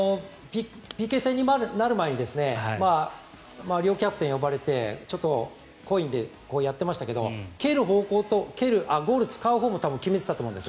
ＰＫ戦になる前に両キャプテン呼ばれてちょっとコインでやってましたけど蹴る方向、ゴールを使うほうも決めていたと思うんです。